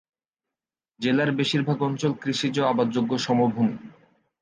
জেলার বেশিরভাগ অঞ্চল কৃষিজ আবাদযোগ্য সমভূমি।